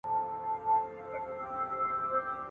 په دوا چي یې رڼا سوې دواړي سترګي ..